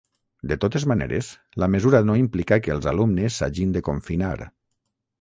De totes maneres, la mesura no implica que els alumnes s’hagin de confinar.